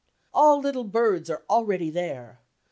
All little birds are already there